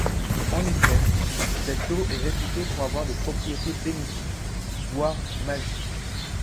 En effet, cette eau est réputée pour avoir des propriétés bénéfiques, voire magiques.